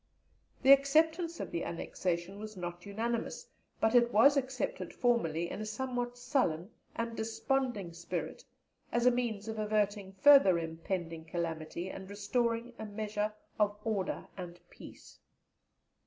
The acceptance of the annexation was not unanimous, but it was accepted formally in a somewhat sullen and desponding spirit, as a means of averting further impending calamity and restoring a measure of order and peace.